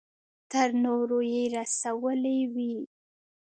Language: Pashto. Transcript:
تر نورو يې رسولې وي.